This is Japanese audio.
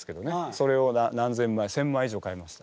それを何千枚１，０００枚以上買いました。